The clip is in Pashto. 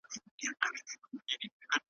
توتکیه ځان هوښیار درته ښکاریږي `